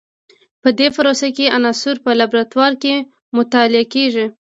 په دې پروسه کې عناصر په لابراتوار کې مطالعه کیږي.